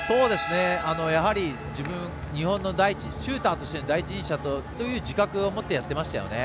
やはり自分は日本のシューターの第一人者という自覚をもってやっていましたね。